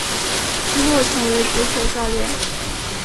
之后成为足球教练。